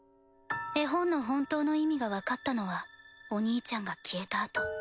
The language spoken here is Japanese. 絵本の本当の意味がわかったのはお兄ちゃんが消えたあと。